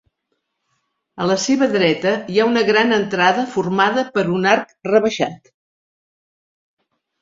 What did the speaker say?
A la seva dreta hi ha una gran entrada formada per un arc rebaixat.